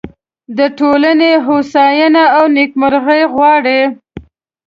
د ټولنې هوساینه او نیکمرغي غواړي.